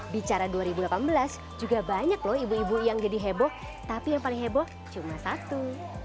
bicara dua ribu delapan belas juga banyak loh ibu ibu yang jadi heboh tapi yang paling heboh cuma satu